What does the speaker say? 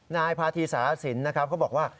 นายพาธีสารสินนะครับเขาบอกว่า